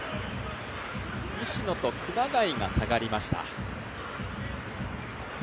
西野と熊谷が下がりました。